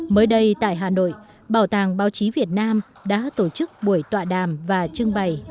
mới đây tại hà nội bảo tàng báo chí việt nam đã tổ chức buổi tọa đàm và trưng bày